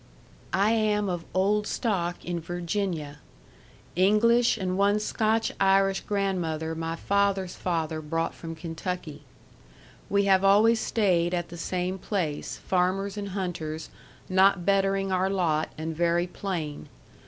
I am of old stock in Virginia. English and one Scotch Irish grandmother my father's father brought from Kentucky. We have always stayed at the same place farmers and hunters not bettering our lot and very plain.